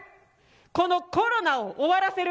このコロナを終わらせる。